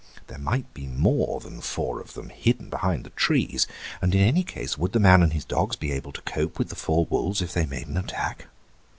There might be more than four of them hidden behind the trees, and in any case would the man and his dogs be able to cope with the four wolves if they made an attack?